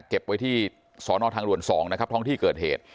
เก็บไว้ที่สอนอทางด่วน๒นะครับท้องที่เกิดเหตุ